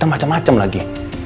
cuman aku pengen lebih baik lagi